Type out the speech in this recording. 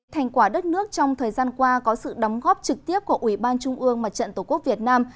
thành quả đất nước trong thời gian qua có sự đóng góp trực tiếp của ủy ban trung ương mặt trận tổ quốc việt nam